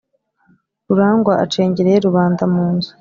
rurangwa acengereye rubanda munzu.